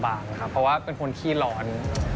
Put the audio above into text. เพราะว่าเป็นคนขี้หลอน